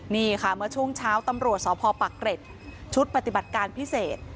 นี่ค่ะเมื่อช่วงเช้าตำรวจสพปักเกร็ดชุดปฏิบัติการพิเศษ